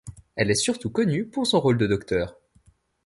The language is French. Elle est surtout connue pour son rôle de Dr.